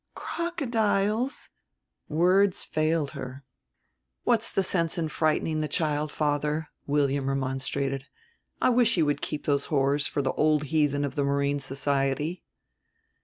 crocodiles." Words failed her. "What's the sense in frightening the child, father?" William remonstrated. "I wish you would keep those horrors for the old heathen of the Marine Society."